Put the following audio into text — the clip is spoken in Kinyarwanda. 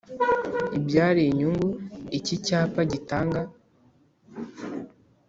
ibyara inyungu Iki cyapa gitanga